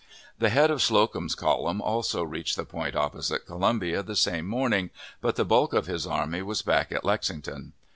The head of Slocum's column also reached the point opposite Columbia the same morning, but the bulk of his army was back at Lexington.